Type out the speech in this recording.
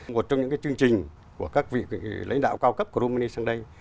một trong những cái chương trình của các vị lãnh đạo cao cấp của jumani sang đây